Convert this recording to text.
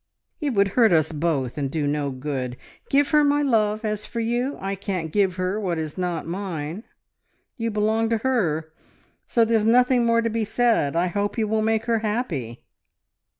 "It would hurt us both, and do no good. Give her my love. As for you I can't give her what is not mine. ... You belong to her, so there's nothing more to be said. ... I hope you will make her happy."